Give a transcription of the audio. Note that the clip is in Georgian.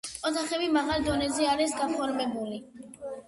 ოთახები მაღალ დონეზე არის გაფორმებული.